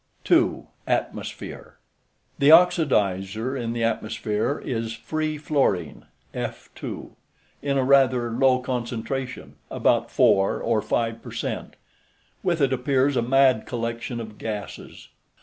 2. ATMOSPHERE The oxidizer in the atmosphere is free fluorine (F_) in a rather low concentration, about 4 or 5 percent. With it appears a mad collection of gases.